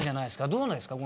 どうなんですか？